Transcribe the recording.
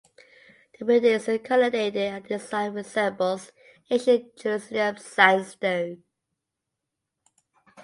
The building is colonnaded and the design resembles ancient Jerusalem sandstone.